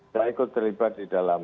saya ikut terlibat di dalam